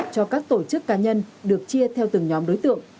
cho các tổ chức cá nhân được chia theo từng nhóm đối tượng